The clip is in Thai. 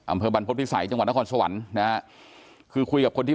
อำเภบสุทธิ์บรรพธิสัยจังหวัดนครสวรรค์นะครับคือคุยกับคนที่